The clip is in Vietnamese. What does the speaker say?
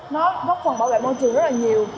nó góp phần bảo vệ môi trường rất nhiều